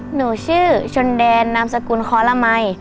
หนูชื่อชนแดนนามสกุลคอลมัย